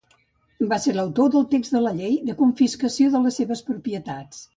Va ser l'autor del text de la llei de confiscació de les seves propietats.